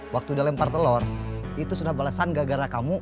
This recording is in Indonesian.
waktu dia lempar telor itu sudah balasan gak gara kamu